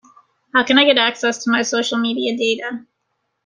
How can I get access to my social media data?